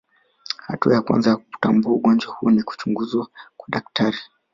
Hatua ya kwanza ya kutambua ugonjwa huu ni kuchunguzwa na daktari